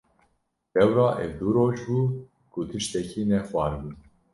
Lewra ev du roj bû ku tiştekî nexwaribû.